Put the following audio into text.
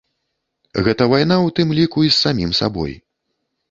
Гэта вайна, у тым ліку і з самім сабой.